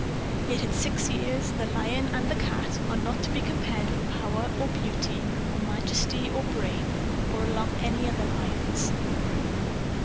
Yet at six years, the lion and the cat are not to be compared for power or beauty or majesty or brain, or along any other lines.